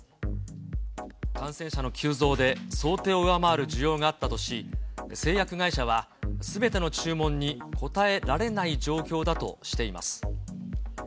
感染者の急増で想定を上回る需要があったとし、製薬会社はすべての注文に応えられない状況だとしています。